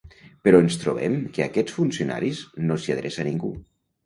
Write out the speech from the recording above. Però ens trobem que a aquests funcionaris no s’hi adreça ningú.